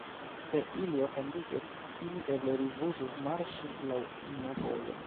Se ili ofendiĝos, ili eble rifuzos marŝi laŭ mia volo.